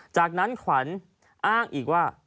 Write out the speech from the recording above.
จากนั้นขวัญอ้างอีกว่า